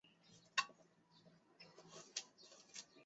这种逻辑可以用来处理复合三段论悖论。